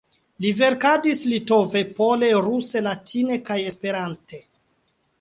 Li verkadis litove, pole, ruse, latine kaj Esperante.